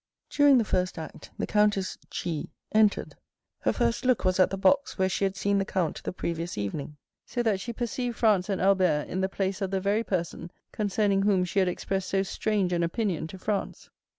During the first act, the Countess G—— entered. Her first look was at the box where she had seen the count the previous evening, so that she perceived Franz and Albert in the place of the very person concerning whom she had expressed so strange an opinion to Franz.